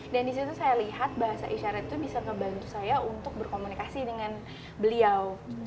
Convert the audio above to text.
dan di situ saya lihat bahasa isyarat itu bisa membantu saya untuk berkomunikasi dengan beliau